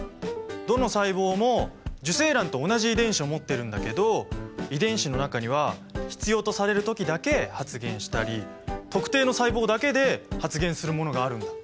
どの細胞も受精卵と同じ遺伝子を持ってるんだけど遺伝子の中には必要とされる時だけ発現したり特定の細胞だけで発現するものがあるんだ。